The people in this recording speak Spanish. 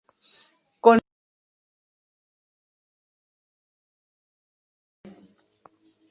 Con el club verde ganó el Campeonato de Galicia en esa campaña.